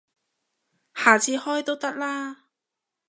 下次開都得啦